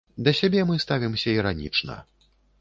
Да сябе мы ставімся іранічна.